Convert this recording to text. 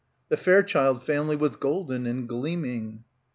The "Fair child Family" was golden and gleaming.